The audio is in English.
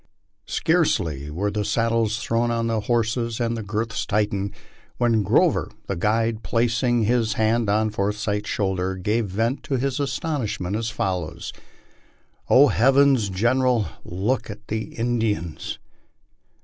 Scarcely were the saddles thrown on the Horses and the girths tightened, when Grover, the guide, placing his hand on Forsyth's shoulder, gave vent to his astonishment as folloAvs :' heavens, General, look at the Indians